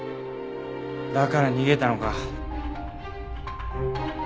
だから逃げたのか。